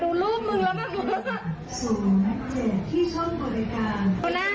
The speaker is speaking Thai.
ส่งแมค๗ที่ช่องบริการ